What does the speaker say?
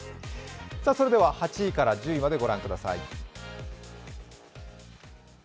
それでは８位から１０位までご覧ください。